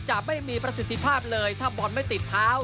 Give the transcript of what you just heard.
จะไม่มีประสิทธิภาพเลยถ้าบอลไม่ติดเท้า